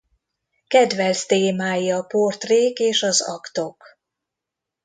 Kedvelt témái a portrék és az aktok.